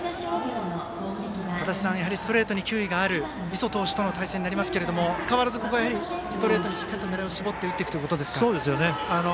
ストレートに球威がある磯投手との対戦になりますが変わらず、ここはストレートにしっかりと狙いを絞って打っていくということですか？